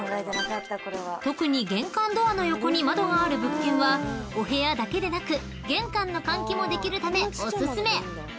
［特に玄関ドアの横に窓がある物件はお部屋だけでなく玄関の換気もできるためおすすめ］